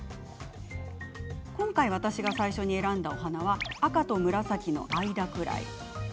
今回、私が最初に選んだお花は赤と紫の間くらい。